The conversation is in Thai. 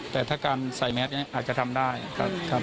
แต่ถ้าการใส่แมสเนี่ยอาจจะทำได้ครับ